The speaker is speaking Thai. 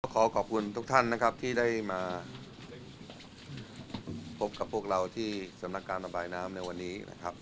ขอขอบคุณทุกท่านที่ได้มาพบกับพวกเราที่สำนักการณ์ระบายน้ำในวันนี้